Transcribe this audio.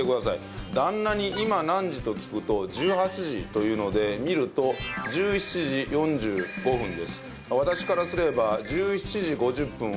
旦那に「今何時？」と聞くと１８時と言うので見ると１７時４５分です。